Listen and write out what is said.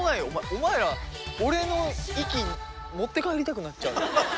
お前ら俺の息持って帰りたくなっちゃうよ。